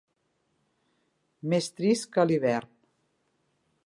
Més trist que l'hivern.